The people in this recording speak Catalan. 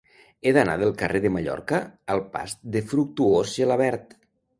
He d'anar del carrer de Mallorca al pas de Fructuós Gelabert.